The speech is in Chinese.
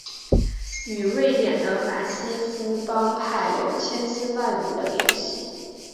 与瑞典的法西斯帮派有千丝万缕的联系。